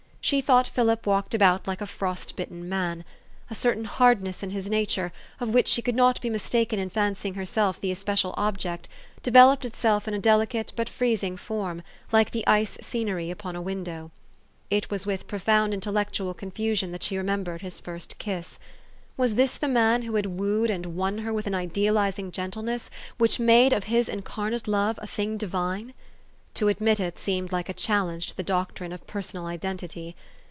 She thought Philip walked about like a frost bitten man. A certain hardness in his nature, of which she could not be mistaken in fancying herself the especial object, developed itself in a delicate but freezing form, like the ice scenery upon a window. It was with pro found inteUectual confusion that she remembered his first kiss. Was this the man who had wooed and won her with an idealizing gentleness which made of his incarnate love a thing divine? To admit it seemed like a challenge to the doctrine of personal identity.